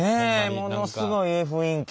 ものすごいええ雰囲気。